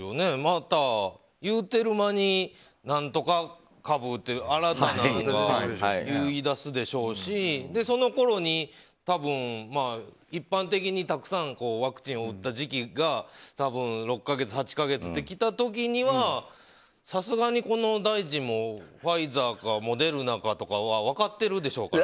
言うてる間に、何とか株って新たなのが出だすでしょうしそのころに多分一般的にワクチンをたくさん打った時期が６か月、８か月って来た時にはさすがにこの大臣もファイザーかモデルナかとかは分かってるでしょうから。